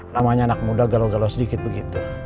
namanya anak muda galau galau sedikit begitu